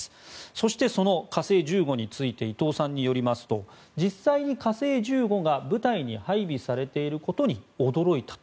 そして、その火星１５について伊藤さんによりますと実際に火星１５が部隊に配備されていることに驚いたと。